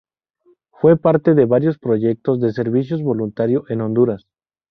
Fue parte de varios proyectos de servicio voluntario en Honduras.